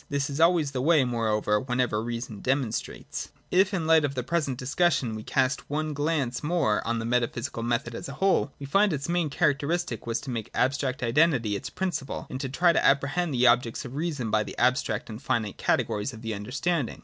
This is always the way, moreover, whenever reason demonstrates. If in the light of the present discussion we cast one glance more on the metaphysical method as a whole, we find its main characteristic was to make abstract identity its prin ciple and to try to apprehend the objects of reason by the abstract and finite categories of the understanding.